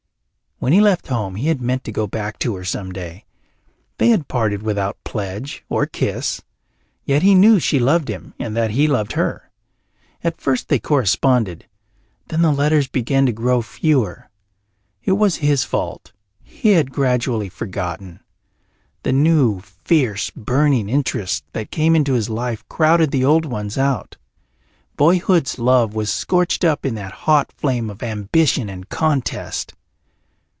When he left home he had meant to go back to her some day. They had parted without pledge or kiss, yet he knew she loved him and that he loved her. At first they corresponded, then the letters began to grow fewer. It was his fault; he had gradually forgotten. The new, fierce, burning interests that came into his life crowded the old ones out. Boyhood's love was scorched up in that hot flame of ambition and contest.